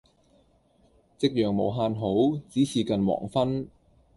夕陽無限好，只是近黃昏。